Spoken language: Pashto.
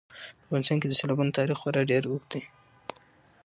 په افغانستان کې د سیلابونو تاریخ خورا ډېر اوږد دی.